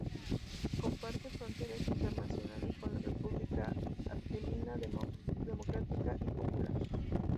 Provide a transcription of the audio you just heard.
Comparte fronteras internacionales con la República Argelina Democrática y Popular.